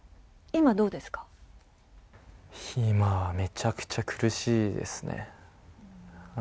今はめちゃくちゃ苦しいですね。